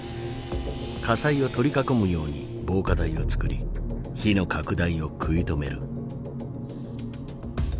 火災を取り囲むように防火帯を作り火の拡大を食い止める。